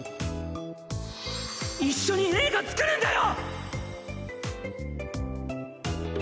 一緒に映画作るんだよ！